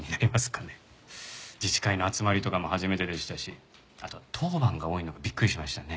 自治会の集まりとかも初めてでしたしあと当番が多いのもびっくりしましたね。